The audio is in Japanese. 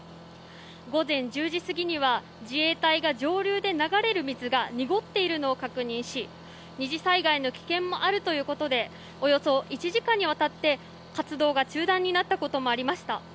午前１０時過ぎには自衛隊が上流で流れる水が濁っているのを確認し２次災害の危険もあるということでおよそ１時間にわたって活動が中断になったこともありました。